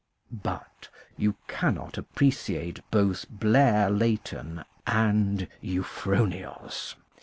But you cannot appreciate both Blair Leighton and Euphronios.